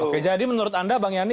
oke jadi menurut anda bang yanni